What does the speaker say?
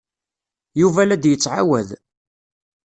Yuba la d-yettɛawad.